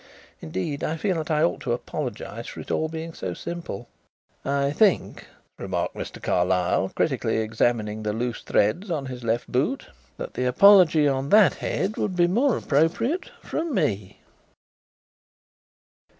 Indeed, I feel that I ought to apologize for it all being so simple." "I think," remarked Mr. Carlyle, critically examining the loose threads on his left boot, "that the apology on that head would be more appropriate from me."